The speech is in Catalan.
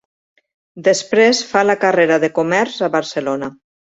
Després fa la carrera de comerç a Barcelona.